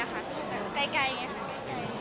ก็ใช้มั้ยค่ะใกล้เนี่ย